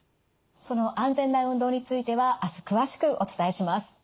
その安全な運動についてはあす詳しくお伝えします。